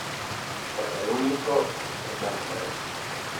pues de algún hijo de mala madre.